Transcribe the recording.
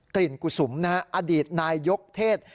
กลิ่นกุศุมนะฮะอดีตนายยกเทศ